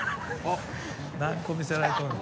何を見せられてるの。